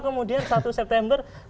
kemudian satu september